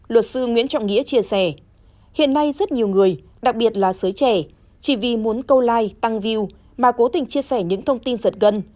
luật sư nguyễn trọng nghĩa chia sẻ hiện nay rất nhiều người đặc biệt là giới trẻ chỉ vì muốn câu like tăng view mà cố tình chia sẻ những thông tin giật gân